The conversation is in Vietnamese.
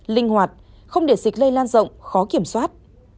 linh hoạt không để dịch lây lan rộng khó kiểm soát